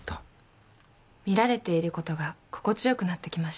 見られている事が心地よくなってきました。